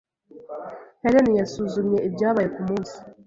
Helen yasuzumye ibyabaye kumunsi.